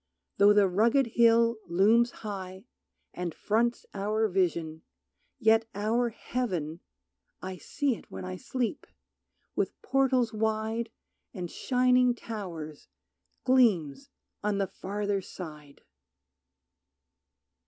Though the rugged hill Looms high, and fronts our vision, yet our heaven (I see it when I sleep) with portals wide And shining towers, gleams on the farther side.